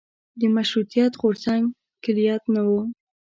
د مشروطیت غورځنګ کلیت نه و.